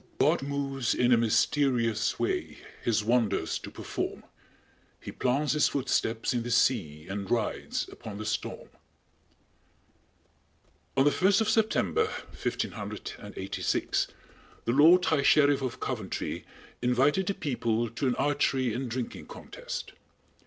"God moves in a mysterious way, His wonders to perform, He plants His footsteps in the sea And rides upon the storm." On the first of September, 1586, the lord high sheriff of Coventry invited the people to an archery and drinking contest.